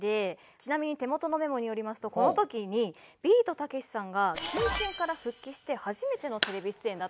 ちなみに手元のメモによりますとこの時にビートたけしさんが謹慎から復帰して初めてのテレビ出演だったそうです。